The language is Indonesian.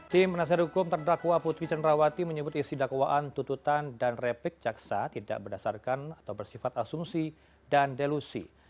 tim penasihat hukum terdakwa putri cenrawati menyebut isi dakwaan tututan dan replik jaksa tidak berdasarkan atau bersifat asumsi dan delusi